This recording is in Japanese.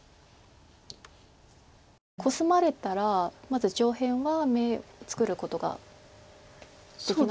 コスまれたらまず上辺は眼作ることができないので。